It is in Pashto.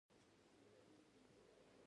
_هلک دی، ماغزه يې خام دي، نه پوهېږي.